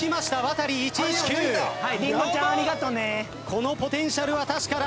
このポテンシャルは確かだ。